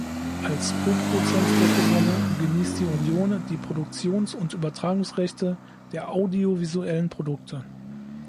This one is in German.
Als Koproduzent der Programme genießt die Union die Produktions- und Übertragungsrechte der audiovisuellen Produkte.